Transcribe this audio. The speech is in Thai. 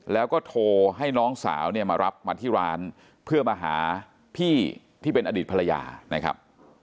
แล้วก็โทรให้น้องสาวเนี่ยมารับมาที่ร้านเพื่อมาหาพี่ที่เป็นอดีตภรรยานะครับ